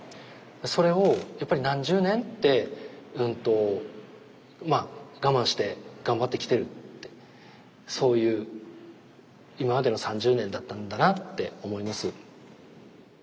それをやっぱり何十年って我慢して頑張ってきてるってそういう今までの３０年だったんだなって思います。